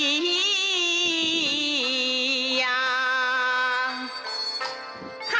ภูมิสุดท้าย